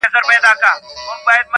ژوند به نه غواړي مرگی به یې خوښېږي-